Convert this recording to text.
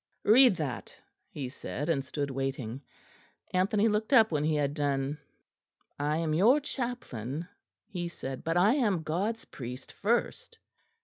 "Read that," he said; and stood waiting. Anthony looked up when he had done. "I am your chaplain," he said, "but I am God's priest first."